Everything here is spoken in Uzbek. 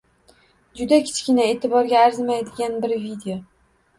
Juda kichkina, eʼtiborga arzimaydigan bir video.